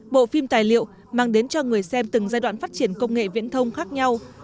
bộ phim tài liệu mang đến cho người xem từng giai đoạn phát triển công nghệ viễn thông khác nhau